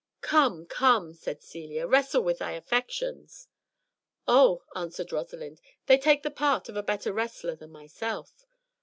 "Come, come," said Celia, "wrestle with thy affections." "Oh," answered Rosalind, "they take the part of a better wrestler than myself.